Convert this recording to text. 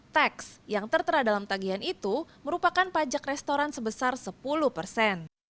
teks yang tertera dalam tagihan itu merupakan pajak restoran sebesar sepuluh persen